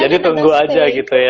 jadi tunggu aja gitu ya